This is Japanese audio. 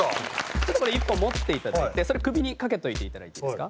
ちょっとこれ１本持っていただいてそれを首に掛けといていただいていいですか。